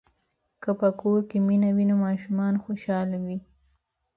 که په کور کې مینه وي نو ماشومان خوشاله وي.